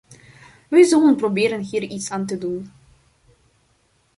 Wij zullen proberen hier iets aan te doen.